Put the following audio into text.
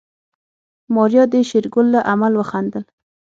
ماريا د شېرګل له عمل وخندل.